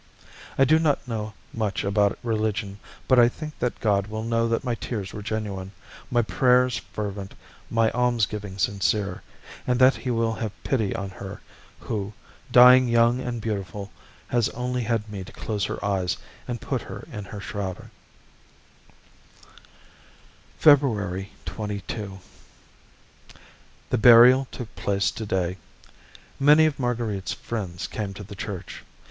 I do not know much about religion, but I think that God will know that my tears were genuine, my prayers fervent, my alms giving sincere, and that he will have pity on her who, dying young and beautiful, has only had me to close her eyes and put her in her shroud. February 22. The burial took place to day. Many of Marguerite's friends came to the church.